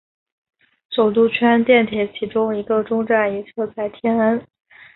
首都圈电铁其中一个终站也设在天安。